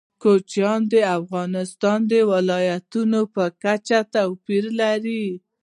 کوچیان د افغانستان د ولایاتو په کچه توپیر لري.